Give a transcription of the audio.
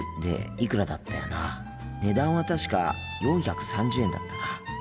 値段は確か４３０円だったな。